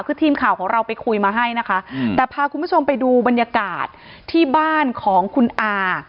คือทีมข่าวของเราไปคุยมาให้นะคะแต่พาคุณผู้ชมไปดูบรรยากาศที่บ้านของคุณอา